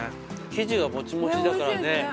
生地がもちもちだからね。